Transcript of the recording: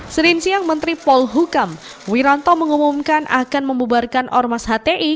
serin siang menteri paul hukam wiranto mengumumkan akan memubarkan ormas hti